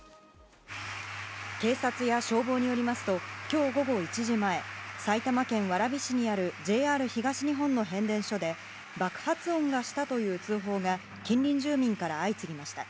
警察や消防によりますと今日午後１時前埼玉県蕨市にあるＪＲ東日本の変電所で爆発音がしたという通報が近隣住民から相次ぎました。